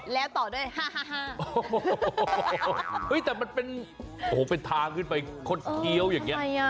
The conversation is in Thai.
เห้ยแต่มันเป็นทางขึ้นไปคดเคี้ยวอย่างเงี้ย